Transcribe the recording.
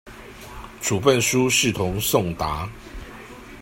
處分書視同送達